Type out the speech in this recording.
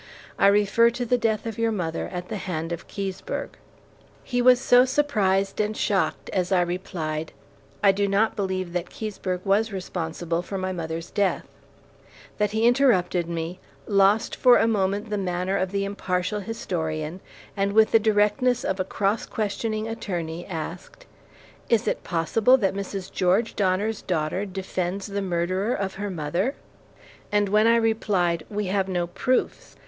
I refer to the death of your mother at the hand of Keseberg." He was so surprised and shocked as I replied, "I do not believe that Keseberg was responsible for my mother's death," that he interrupted me, lost for a moment the manner of the impartial historian, and with the directness of a cross questioning attorney asked: "Is it possible that Mrs. George Donner's daughter defends the murderer of her mother?" And when I replied, "We have no proofs.